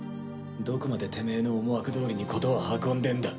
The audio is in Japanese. どこまでテメエの思惑どおりに事は運んでんだ？